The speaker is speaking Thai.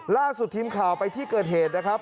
ล่าสุดทีมข่าวไปที่เกิดเหตุนะครับ